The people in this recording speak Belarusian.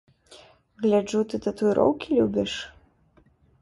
Гляджу, ты татуіроўкі любіш.